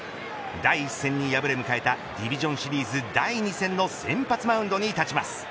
第１戦に敗れ迎えたディビションシリーズ第２戦の先発マウンドに立ちます。